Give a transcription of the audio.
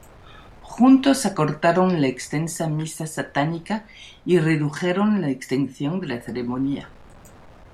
Juntos acortaron la extensa misa satánica y redujeron la extensión de la ceremonia.